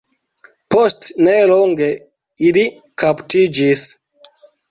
Post nelonge ili kaptiĝis.